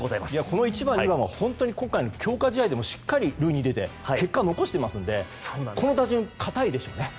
この１番、２番は今回の強化試合でもしっかり塁に出て結果を残していますのでこの打順、堅いでしょうね。